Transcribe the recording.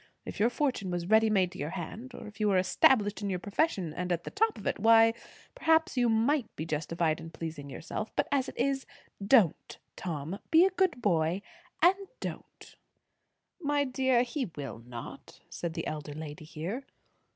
If your fortune was ready made to your hand, or if you were established in your profession and at the top of it, why, perhaps you might be justified in pleasing yourself; but as it is, don't, Tom! Be a good boy, and don't!" "My dear, he will not," said the elder lady here.